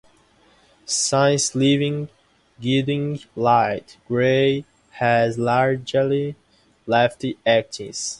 Since leaving "Guiding Light", Grey has largely left acting.